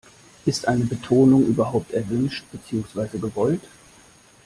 Ist eine Betonung überhaupt erwünscht, beziehungsweise gewollt?